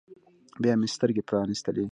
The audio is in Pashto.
بيا مې سترګې پرانيستلې.